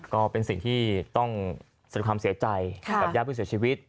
ก็เป็นสิ่งที่ต้องแสดงความเสียใจกับญาติผู้เสียชีวิต